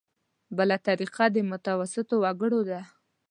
بله طریقه د متوسطو وګړو ده.